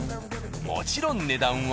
もちろん値段は。